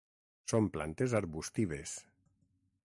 Són plantes arbustives.